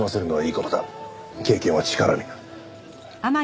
経験は力になる。